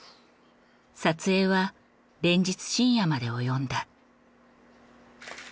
撮影は連日深夜まで及んだ。